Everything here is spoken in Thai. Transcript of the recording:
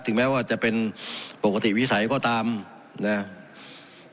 แม้ว่าจะเป็นปกติวิสัยก็ตามนะครับ